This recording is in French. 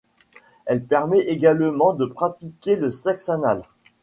Elle permet également de pratiquer le sexe anal.